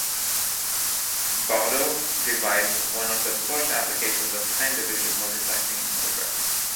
Baudot devised one of the first applications of time-division multiplexing in telegraphy.